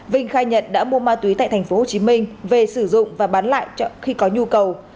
vinh khai nhận đã mua ma túy tại tp hcm về sử dụng và bán lại khi có nhu cầu